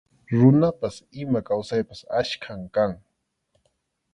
Runapas ima kawsaypas achkam kan.